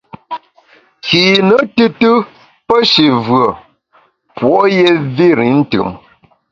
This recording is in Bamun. Kine tùtù pe shi vùe, puo’ yé vir i ntùm.